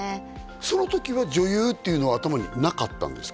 その時は女優っていうのは頭になかったんですか？